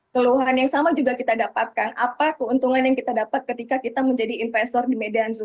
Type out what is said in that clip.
keluhan yang sama juga kita dapatkan apa keuntungan yang kita dapat ketika kita menjadi investor di medan zoo